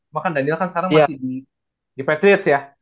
bahkan daniel kan sekarang masih di patriots ya